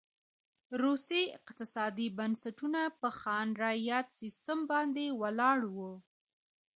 روسي اقتصادي بنسټونه په خان رعیت سیستم باندې ولاړ و.